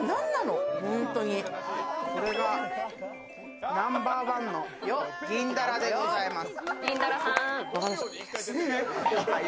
これがナンバーワンの銀だらでございます。